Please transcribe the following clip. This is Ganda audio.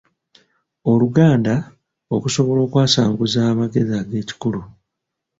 Oluganda okusobola okwasanguza amagezi ag’ekikugu.